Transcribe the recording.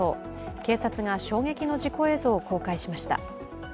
警察が衝撃の事故映像を公開しました。